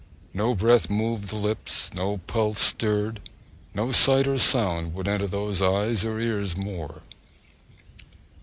No breath moved the lips, no pulse stirred, no sight or sound would enter those eyes or ears more.